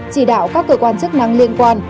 chỉ đạo các cơ quan chức năng liên quan